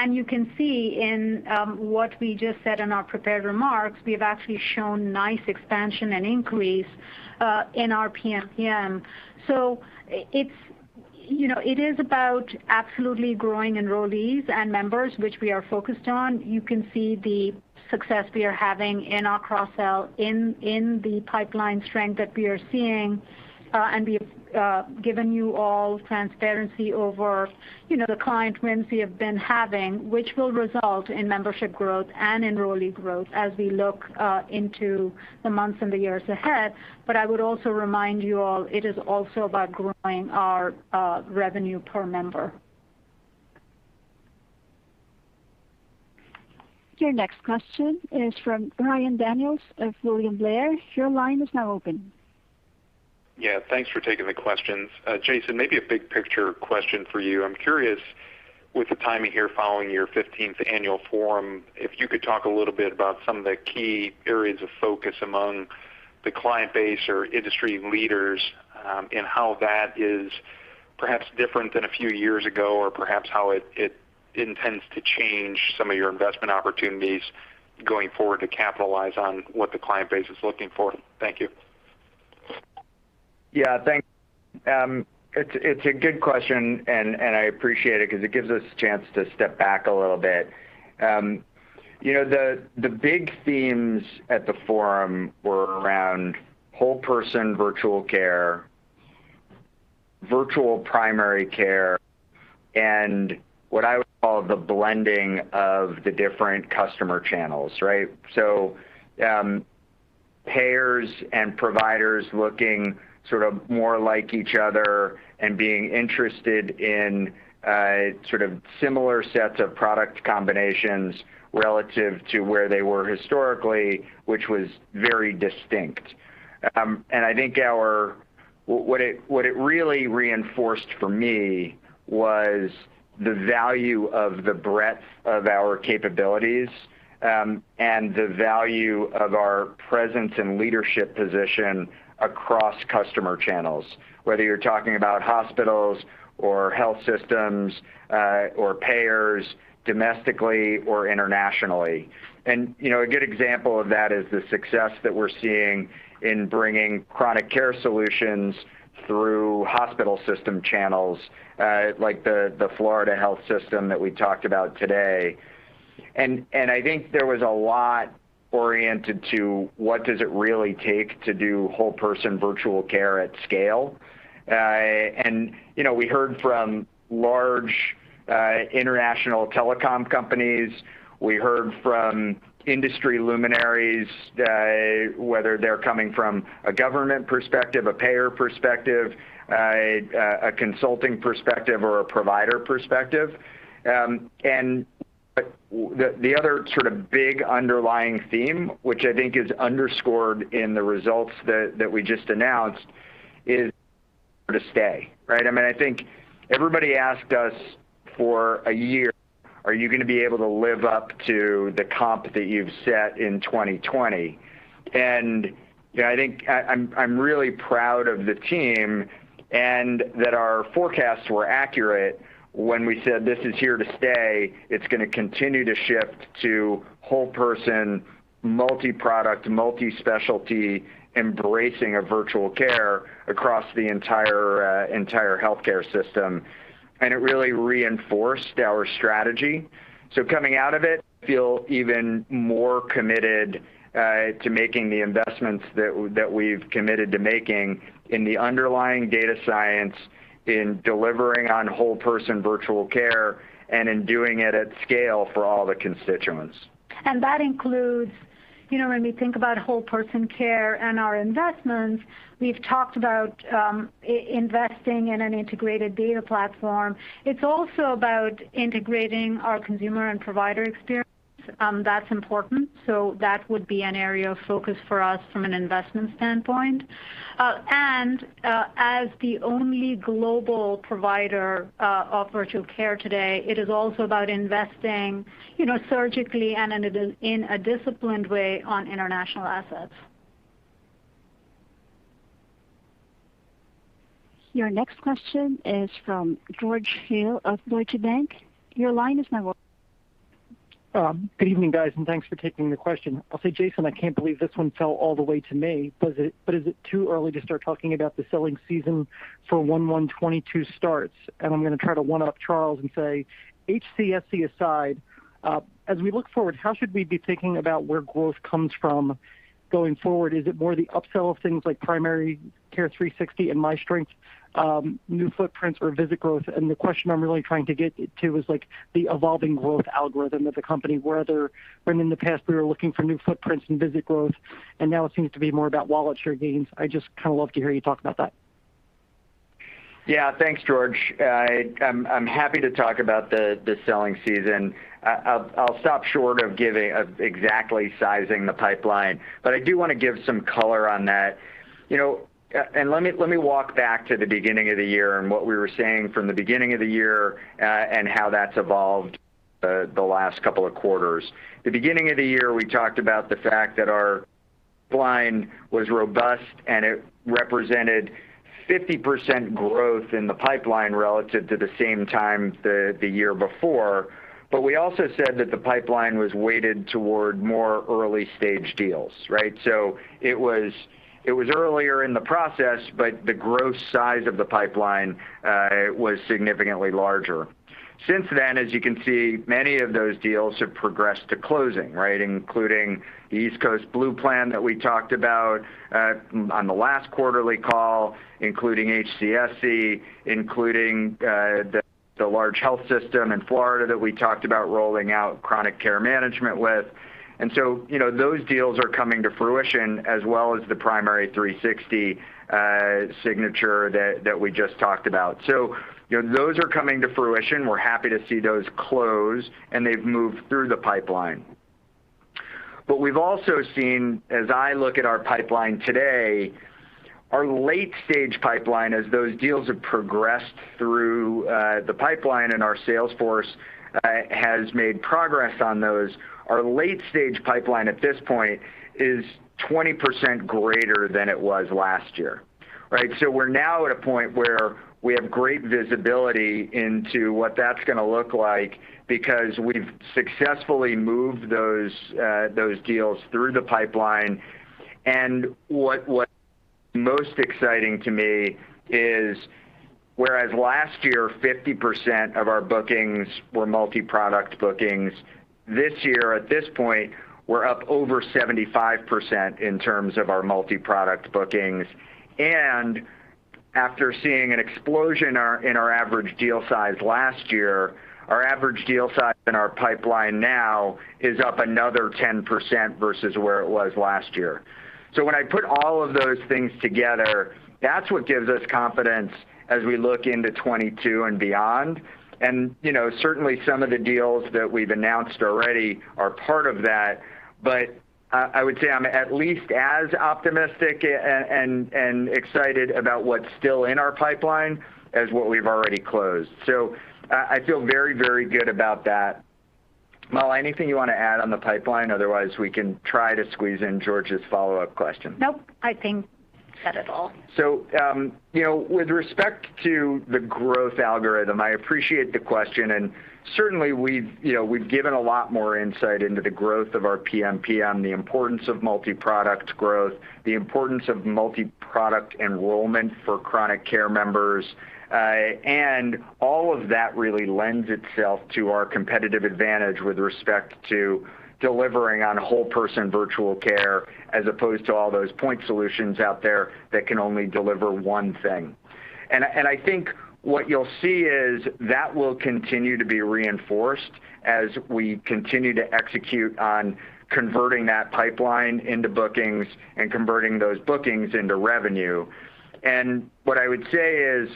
You can see in what we just said in our prepared remarks, we've actually shown nice expansion and increase in our PMPM. It is about absolutely growing enrollees and members, which we are focused on. You can see the success we are having in our cross-sell in the pipeline strength that we are seeing. We've given you all transparency over the client wins we have been having, which will result in membership growth and enrollee growth as we look into the months and the years ahead. I would also remind you all, it is also about growing our revenue per member. Your next question is from Ryan Daniels of William Blair. Yeah. Thanks for taking the questions. Jason, maybe a big picture question for you. I'm curious, with the timing here following your 15th annual Forum, if you could talk a little bit about some of the key areas of focus among the client base or industry leaders, and how that is perhaps different than a few years ago or perhaps how it intends to change some of your investment opportunities going forward to capitalize on what the client base is looking for. Thank you. Yeah, thanks. It's a good question, and I appreciate it because it gives us a chance to step back a little bit. The big themes at the Forum were around whole person virtual care, virtual primary care, and what I would call the blending of the different customer channels, right? Payers and providers looking more like each other and being interested in similar sets of product combinations relative to where they were historically, which was very distinct. What it really reinforced for me was the value of the breadth of our capabilities, and the value of our presence and leadership position across customer channels, whether you're talking about hospitals or health systems, or payers, domestically or internationally. A good example of that is the success that we're seeing in bringing chronic care solutions through hospital system channels, like the Florida Health System that we talked about today. I think there was a lot oriented to what does it really take to do whole person virtual care at scale? We heard from large international telecom companies, we heard from industry luminaries, whether they're coming from a government perspective, a payer perspective, a consulting perspective, or a provider perspective. The other sort of big underlying theme, which I think is underscored in the results that we just announced, is to stay, right? I think everybody asked us for a year, "Are you going to be able to live up to the comp that you've set in 2020?" I think I'm really proud of the team and that our forecasts were accurate when we said, "This is here to stay. It's going to continue to shift to whole person, multi-product, multi-specialty, embracing of virtual care across the entire healthcare system." It really reinforced our strategy. Coming out of it, feel even more committed to making the investments that we've committed to making in the underlying data science in delivering on whole person virtual care, and in doing it at scale for all the constituents. That includes, when we think about whole person care and our investments, we've talked about investing in an integrated data platform. It's also about integrating our consumer and provider experience. That's important. That would be an area of focus for us from an investment standpoint. As the only global provider of virtual care today, it is also about investing surgically and in a disciplined way on international assets. Your next question is from George Hill of Deutsche Bank. Your line is now open. Good evening, guys. Thanks for taking the question. I'll say, Jason, I can't believe this one fell all the way to me, but is it too early to start talking about the selling season for 1/1/22 starts? I'm going to try to one-up Charles and say, HCSC aside, as we look forward, how should we be thinking about where growth comes from going forward? Is it more the upsell of things like Primary360 and myStrength, new footprints or visit growth? The question I'm really trying to get to is the evolving growth algorithm of the company, where in the past, we were looking for new footprints and visit growth, and now it seems to be more about wallet share gains. I'd just kind of love to hear you talk about that. Yeah. Thanks, George. I'm happy to talk about the selling season. I'll stop short of giving exactly sizing the pipeline, but I do want to give some color on that. Let me walk back to the beginning of the year and what we were saying from the beginning of the year, and how that's evolved the last couple of quarters. The beginning of the year, we talked about the fact that our line was robust, and it represented 50% growth in the pipeline relative to the same time the year before. We also said that the pipeline was weighted toward more early-stage deals, right? It was earlier in the process, but the growth size of the pipeline was significantly larger. Since then, as you can see, many of those deals have progressed to closing, right? Including the East Coast Blue plan that we talked about on the last quarterly call, including HCSC, including the large health system in Florida that we talked about rolling out chronic care management with. Those deals are coming to fruition as well as the Primary360 signature that we just talked about. Those are coming to fruition. We're happy to see those close, and they've moved through the pipeline. We've also seen, as I look at our pipeline today, our late-stage pipeline, as those deals have progressed through the pipeline and our sales force has made progress on those, our late-stage pipeline at this point is 20% greater than it was last year. Right? We're now at a point where we have great visibility into what that's going to look like because we've successfully moved those deals through the pipeline. What's most exciting to me is, whereas last year, 50% of our bookings were multi-product bookings, this year at this point, we're up over 75% in terms of our multi-product bookings. After seeing an explosion in our average deal size last year, our average deal size in our pipeline now is up another 10% versus where it was last year. When I put all of those things together, that's what gives us confidence as we look into 2022 and beyond. Certainly, some of the deals that we've announced already are part of that. I would say I'm at least as optimistic and excited about what's still in our pipeline as what we've already closed. I feel very, very good about that. Mala, anything you want to add on the pipeline? Otherwise, we can try to squeeze in George's follow-up question. Nope. Said it all. With respect to the growth algorithm, I appreciate the question, and certainly we've given a lot more insight into the growth of our PMPM, the importance of multi-product growth, the importance of multi-product enrollment for chronic care members. All of that really lends itself to our competitive advantage with respect to delivering on whole person virtual care, as opposed to all those point solutions out there that can only deliver one thing. I think what you'll see is that will continue to be reinforced as we continue to execute on converting that pipeline into bookings and converting those bookings into revenue. What I would say is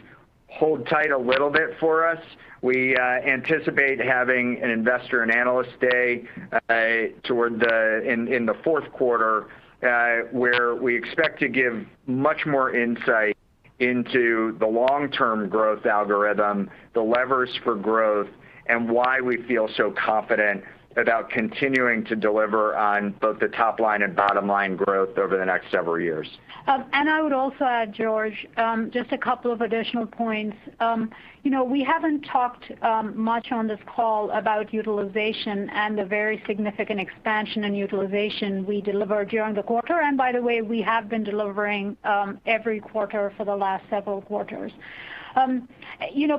hold tight a little bit for us. We anticipate having an investor and analyst day in the Q4, where we expect to give much more insight into the long-term growth algorithm, the levers for growth, and why we feel so confident about continuing to deliver on both the top line and bottom line growth over the next several years. I would also add, George, just a couple of additional points. We haven't talked much on this call about utilization and the very significant expansion in utilization we delivered during the quarter. By the way, we have been delivering every quarter for the last several quarters.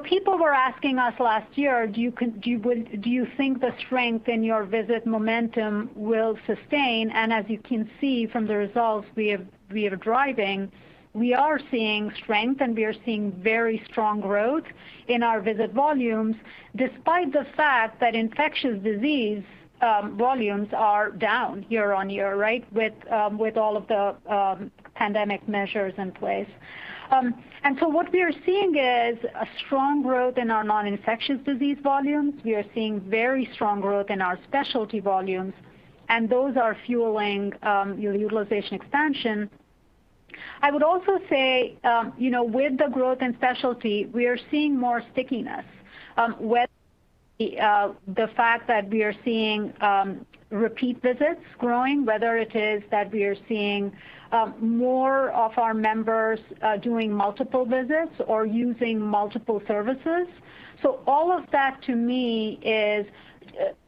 People were asking us last year, "Do you think the strength in your visit momentum will sustain?" As you can see from the results we are driving, we are seeing strength, and we are seeing very strong growth in our visit volumes, despite the fact that infectious disease volumes are down year-over-year, with all of the pandemic measures in place. What we are seeing is a strong growth in our non-infectious disease volumes. We are seeing very strong growth in our specialty volumes, and those are fueling utilization expansion. I would also say, with the growth in specialty, we are seeing more stickiness, the fact that we are seeing repeat visits growing, whether it is that we are seeing more of our members doing multiple visits or using multiple services. All of that, to me is,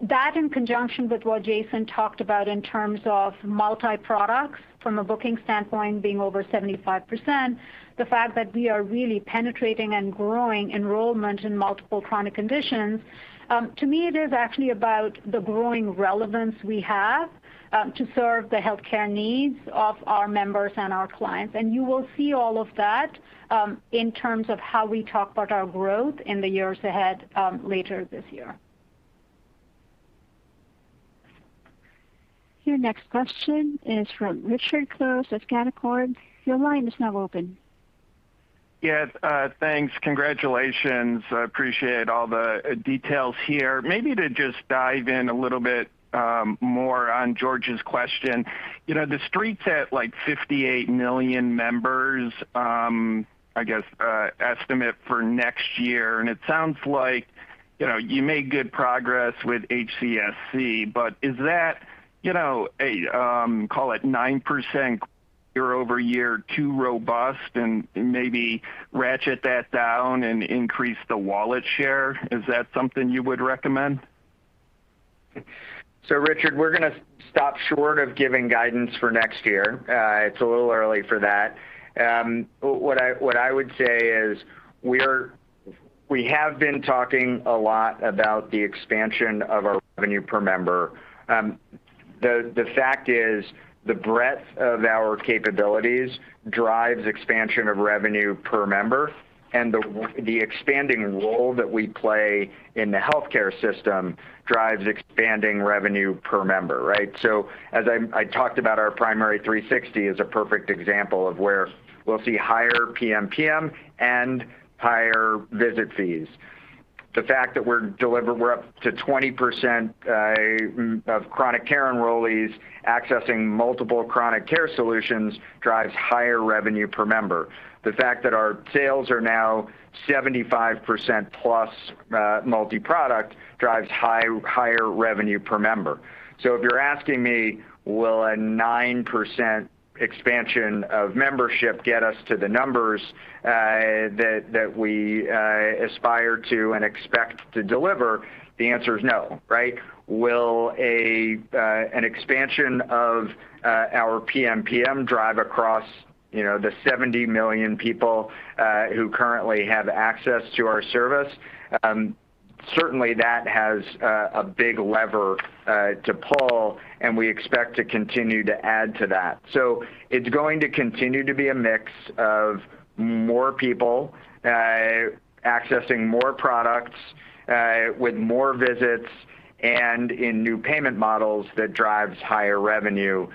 that in conjunction with what Jason talked about in terms of multi-products from a booking standpoint being over 75%, the fact that we are really penetrating and growing enrollment in multiple chronic conditions. To me, it is actually about the growing relevance we have to serve the healthcare needs of our members and our clients. You will see all of that, in terms of how we talk about our growth in the years ahead, later this year. Your next question is from Richard Close of Canaccord. Your line is now open. Yes, thanks. Congratulations. I appreciate all the details here. Maybe to just dive in a little bit more on George's question. The Street's at 58 million members, I guess, estimate for next year. It sounds like you made good progress with HCSC, but is that, call it 9% year-over-year too robust, and maybe ratchet that down and increase the wallet share? Is that something you would recommend? Richard, we're gonna stop short of giving guidance for next year. It's a little early for that. What I would say is we have been talking a lot about the expansion of our revenue per member. The fact is, the breadth of our capabilities drives expansion of revenue per member, and the expanding role that we play in the healthcare system drives expanding revenue per member, right? As I talked about our Primary360 as a perfect example of where we'll see higher PMPM and higher visit fees. The fact that we're up to 20% of chronic care enrollees accessing multiple chronic care solutions drives higher revenue per member. The fact that our sales are now 75%+ multi-product drives higher revenue per member. If you're asking me, will a 9% expansion of membership get us to the numbers that we aspire to and expect to deliver, the answer is no, right? Will an expansion of our PMPM drive across the 70 million people who currently have access to our service? Certainly, that has a big lever to pull, and we expect to continue to add to that. It's going to continue to be a mix of more people accessing more products with more visits and in new payment models that drives higher revenue.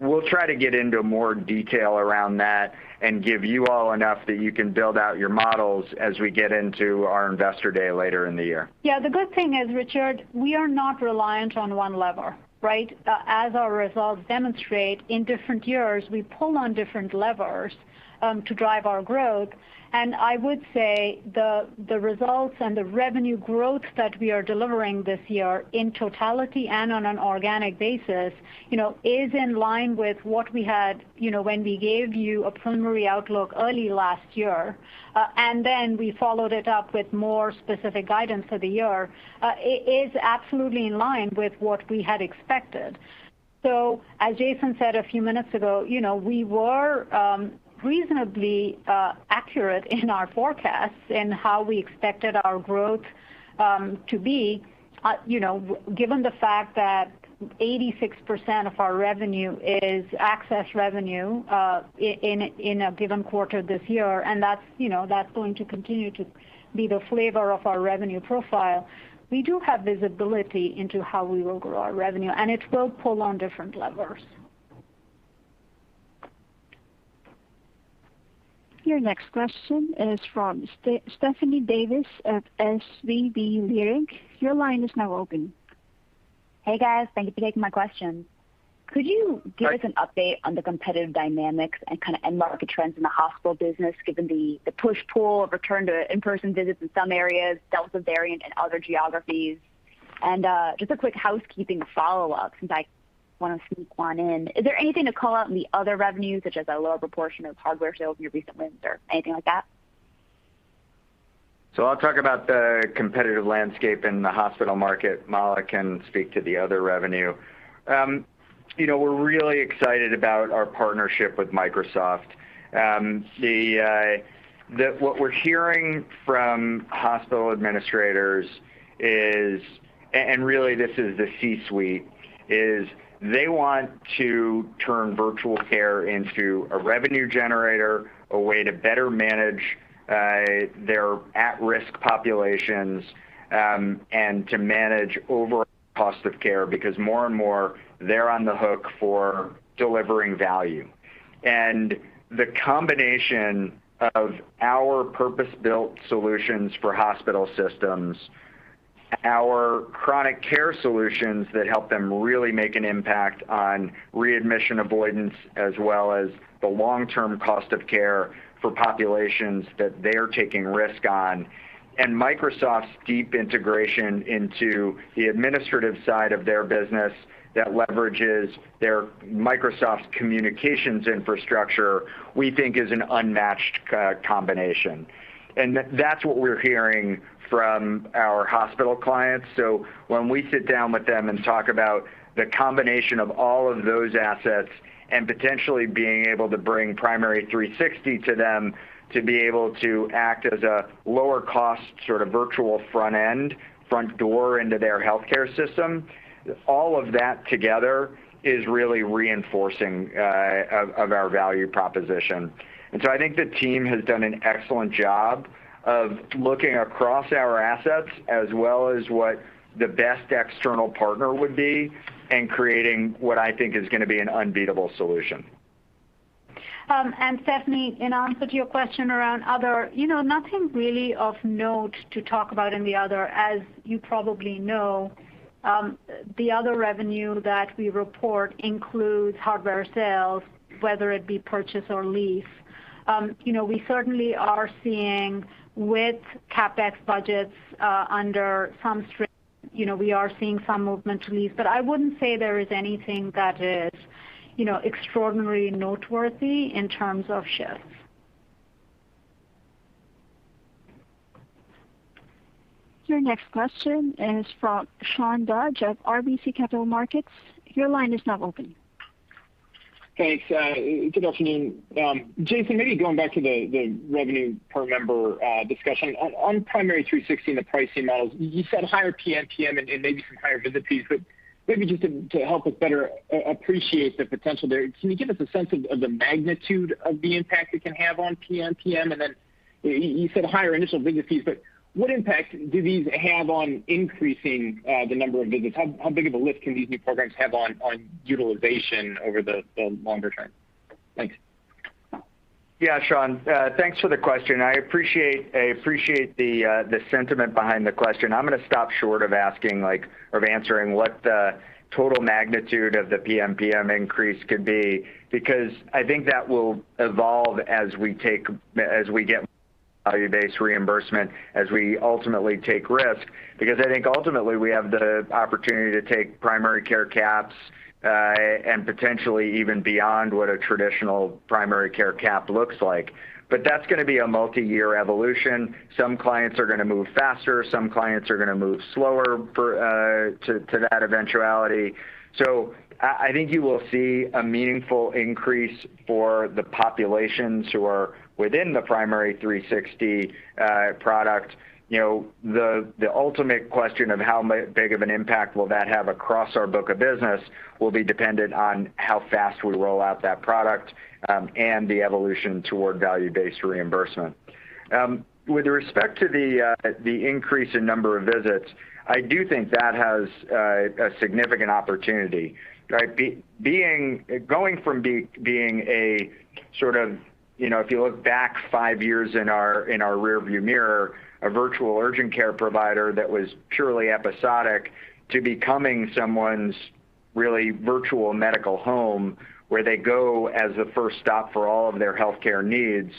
We'll try to get into more detail around that and give you all enough that you can build out your models as we get into our investor day later in the year. The good thing is, Richard, we are not reliant on one lever, right? As our results demonstrate, in different years, we pull on different levers to drive our growth. I would say the results and the revenue growth that we are delivering this year in totality and on an organic basis, is in line with what we had when we gave you a preliminary outlook early last year, and then we followed it up with more specific guidance for the year. It is absolutely in line with what we had expected. As Jason said a few minutes ago, we were reasonably accurate in our forecasts in how we expected our growth to be given the fact that 86% of our revenue is access revenue in a given quarter this year, and that's going to continue to be the flavor of our revenue profile. We do have visibility into how we will grow our revenue, and it will pull on different levers. Your next question is from Stephanie Davis of SVB Leerink. Your line is now open. Hey, guys. Thank you for taking my question. Could you give us an update on the competitive dynamics and kind of end market trends in the hospital business, given the push-pull of return to in-person visits in some areas, Delta variant in other geographies? Just a quick housekeeping follow-up, since I want to sneak one in. Is there anything to call out in the other revenue, such as a lower proportion of hardware sales in your recent wins or anything like that? I'll talk about the competitive landscape in the hospital market. Mala can speak to the other revenue. We're really excited about our partnership with Microsoft. What we're hearing from hospital administrators is, and really this is the C-suite, is they want to turn virtual care into a revenue generator, a way to better manage their at-risk populations, and to manage overall cost of care, because more and more, they're on the hook for delivering value. The combination of our purpose-built solutions for hospital systems, our chronic care solutions that help them really make an impact on readmission avoidance as well as the long-term cost of care for populations that they're taking risk on, and Microsoft's deep integration into the administrative side of their business that leverages their Microsoft communications infrastructure, we think is an unmatched combination. That's what we're hearing from our hospital clients. When we sit down with them and talk about the combination of all of those assets and potentially being able to bring Primary360 to them to be able to act as a lower cost, sort of virtual front end, front door into their healthcare system, all of that together is really reinforcing of our value proposition. I think the team has done an excellent job of looking across our assets as well as what the best external partner would be, and creating what I think is going to be an unbeatable solution. Stephanie, in answer to your question around other, nothing really of note to talk about in the other. As you probably know, the other revenue that we report includes hardware sales, whether it be purchase or lease. We certainly are seeing with CapEx budgets under some strain, we are seeing some movement to lease, but I wouldn't say there is anything that is extraordinary noteworthy in terms of shifts. Your next question is from Sean Dodge of RBC Capital Markets. Your line is now open. Thanks. Good afternoon. Jason, maybe going back to the revenue per member discussion. On Primary360 and the pricing models, you said higher PMPM and maybe some higher visit fees, but maybe just to help us better appreciate the potential there, can you give us a sense of the magnitude of the impact it can have on PMPM? You said higher initial visit fees, but what impact do these have on increasing the number of visits? How big of a lift can these new programs have on utilization over the longer term? Thanks. Yeah, Sean. Thanks for the question. I appreciate the sentiment behind the question. I'm going to stop short of answering what the total magnitude of the PMPM increase could be, because I think that will evolve as we get value-based reimbursement, as we ultimately take risk. I think ultimately we have the opportunity to take primary care caps, and potentially even beyond what a traditional primary care cap looks like. That's going to be a multi-year evolution. Some clients are going to move faster, some clients are going to move slower to that eventuality. I think you will see a meaningful increase for the populations who are within the Primary360 product. The ultimate question of how big of an impact will that have across our book of business will be dependent on how fast we roll out that product, and the evolution toward value-based reimbursement. With respect to the increase in number of visits, I do think that has a significant opportunity, right? Going from being a sort of, if you look back five years in our rear view mirror, a virtual urgent care provider that was purely episodic to becoming someone's really virtual medical home where they go as a first stop for all of their healthcare needs,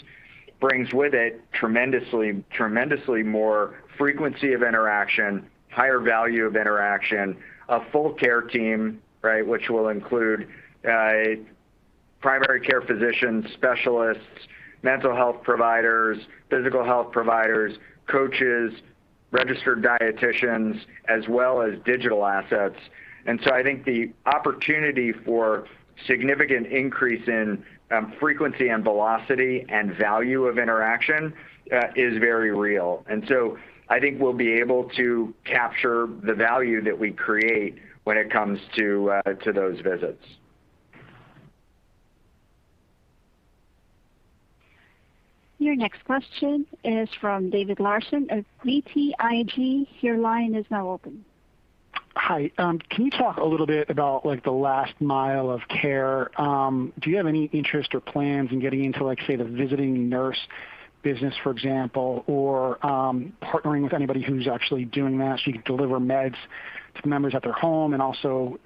brings with it tremendously more frequency of interaction, higher value of interaction, a full care team which will include primary care physicians, specialists, mental health providers, physical health providers, coaches, registered dieticians, as well as digital assets. I think the opportunity for significant increase in frequency and velocity and value of interaction is very real. I think we'll be able to capture the value that we create when it comes to those visits. Your next question is from David Larsen of BTIG. Your line is now open. Hi. Can you talk a little bit about the last mile of care? Do you have any interest or plans in getting into, say, the visiting nurse business, for example, or partnering with anybody who's actually doing that, so you can deliver meds to members at their home and also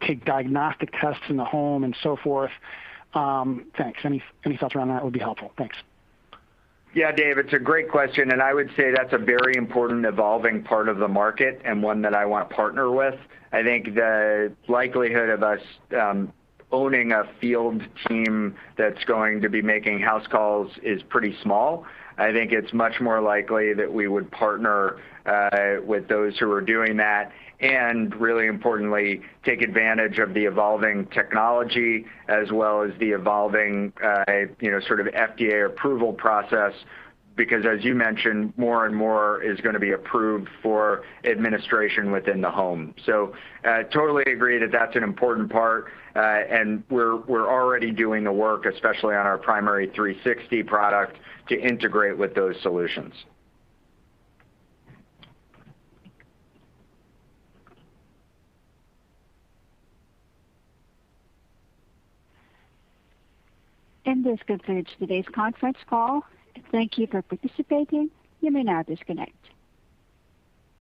take diagnostic tests in the home and so forth? Thanks. Any thoughts around that would be helpful. Thanks. Yeah, Dave, it's a great question, and I would say that's a very important evolving part of the market and one that I want to partner with. I think the likelihood of us owning a field team that's going to be making house calls is pretty small. I think it's much more likely that we would partner with those who are doing that, and really importantly, take advantage of the evolving technology as well as the evolving sort of FDA approval process. As you mentioned, more and more is going to be approved for administration within the home. Totally agree that that's an important part, and we're already doing the work, especially on our Primary360 product, to integrate with those solutions. This concludes today's conference call. Thank you for participating. You may now disconnect.